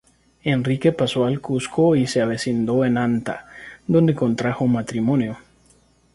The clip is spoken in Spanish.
Enrique pasó al Cuzco y se avecindó en Anta, donde contrajo matrimonio.